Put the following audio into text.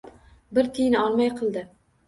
Bir tiyin olmay qildi.